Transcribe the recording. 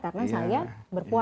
karena saya berpuasa